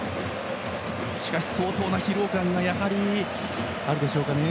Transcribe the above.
しかし、相当な疲労感があるでしょうかね。